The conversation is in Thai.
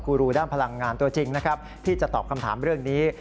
กูรูด้านพลังงานตัวจริงนะครับที่จะตอบคำถามเรื่องนี้